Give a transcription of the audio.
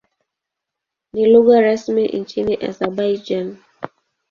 Ni lugha rasmi nchini Azerbaijan.